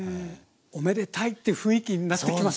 おめでたいって雰囲気になってきますね。